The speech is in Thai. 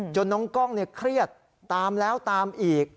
น้องกล้องเครียดตามแล้วตามอีก